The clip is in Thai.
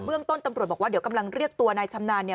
เรื่องต้นตำรวจบอกว่าเดี๋ยวกำลังเรียกตัวนายชำนาญเนี่ย